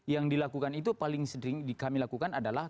yang dilakukan itu paling sering kami lakukan adalah